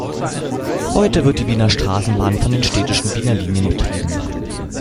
Heute wird die Wiener Straßenbahn von den städtischen Wiener Linien betrieben.